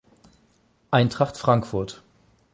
Eintracht Frankfurt